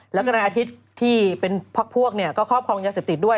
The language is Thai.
แล้วก็นายอาทิตย์ที่เป็นพักพวกเนี่ยก็ครอบครองยาเสพติดด้วย